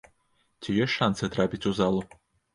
Ці ёсць шанцы трапіць у залу?